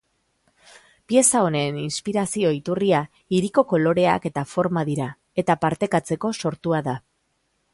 Pieza honen inspirazio iturria hiriko koloreak eta forma dira eta partekatzeko sortua da.